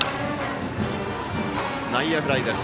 内野フライです。